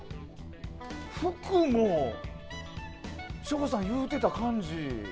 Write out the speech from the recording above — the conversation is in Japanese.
服も省吾さんが言うてた感じ。